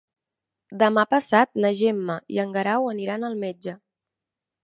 Demà passat na Gemma i en Guerau aniran al metge.